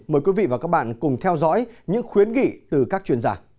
mời quý vị và các bạn cùng theo dõi những khuyến nghị từ các chuyên gia